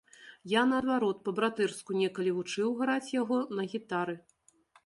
Я наадварот па-братэрску некалі вучыў граць яго на гітары!